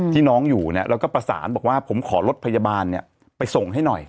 ที่น้องอยู่เนี่ยเราก็ประสานบอกว่าผมขอรถพยาบาลเนี่ยไปส่งให้หน่อย